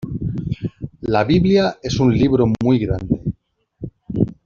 La biblia es un libro muy grande.